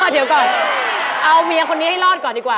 เดี๋ยวก่อนเอาเมียคนนี้ให้รอดก่อนดีกว่า